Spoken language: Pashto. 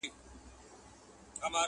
o سړى پښې د خپلي کمبلي سره غځوي٫